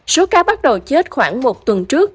số cá bắt đầu chết khoảng một tuần trước